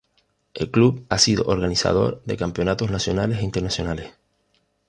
El club ha sido organizador de campeonatos nacionales e internacionales.